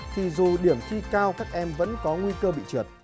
thì dù điểm thi cao các em vẫn có nguy cơ bị trượt